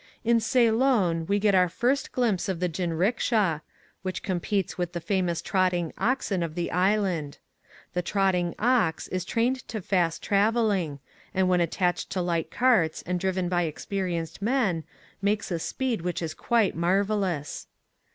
In Ceylon we get our first glimpse of the jinricksha, which competes with the famous trotting oxen of the island. The trotting ox is trained to fast traveling, and when attached to light carts and driven by experienced men makes a speed which is quite marvelous.